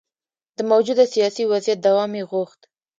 د موجوده سیاسي وضعیت دوام یې غوښت.